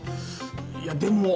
いやでも。